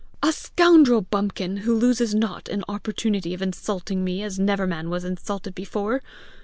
a scoundrel bumpkin who loses not an opportunity of insulting me as never was man insulted before!